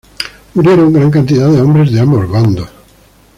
Murieron gran cantidad de hombres de ambos bandos.